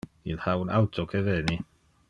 Il ha un auto que veni.